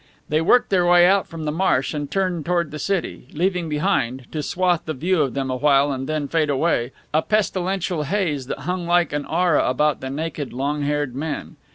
They worked their way out from the marsh and turned toward the city, leaving behind, to swathe the view of them a while and then fade away, a pestilential haze that hung like an aura about the naked, long haired men.